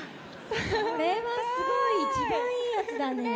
それはすごい一番いいやつだね。